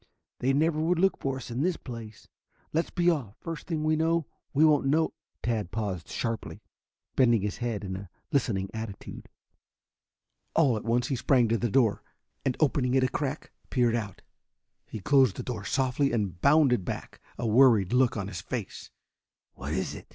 "They never would look for us in this place. Let's be off. First thing we know, we won't know " Tad paused sharply, bending his head in a listening attitude. All at once he sprang to the door, and opening it a crack peered out. He closed the door softly and bounded back, a worried look on his face. "What is it?"